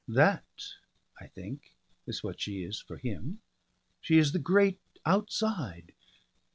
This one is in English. That I think is what she is for him, she is the Great Outside.